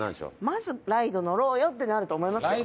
まずライド乗ろうよってなると思いますよ。